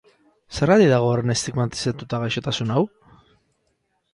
Zergatik dago horren estigmatizatuta gaixotasun hau?